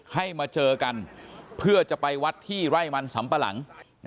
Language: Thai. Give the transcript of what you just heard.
ให้มาเจอกันเพื่อจะไปวัดที่ไร่มันสำปะหลัง